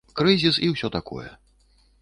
Крызіс і ўсё такое.